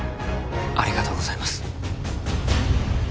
ありがとうございます